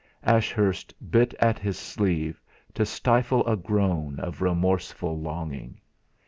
Ashurst bit at his sleeve, to stifle a groan of remorseful longing.